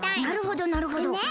なるほどなるほど。